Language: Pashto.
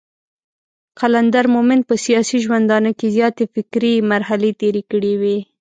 قلندر مومند په سياسي ژوندانه کې زياتې فکري مرحلې تېرې کړې وې.